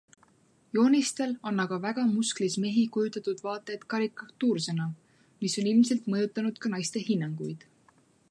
Joonistel on aga väga musklis mehi kujutatud vaat et karikatuursena, mis on ilmselt mõjutanud ka naiste hinnanguid.